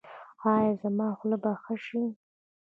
ایا زما خوله به ښه شي؟